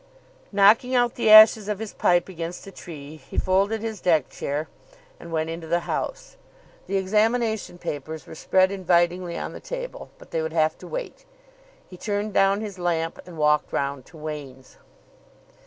Knocking out the ashes of his pipe against a tree, he folded his deck chair and went into the house. The examination papers were spread invitingly on the table, but they would have to wait. He turned down his lamp, and walked round to Wain's.